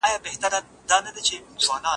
سپین ژیړی څه ډول ناروغي ده؟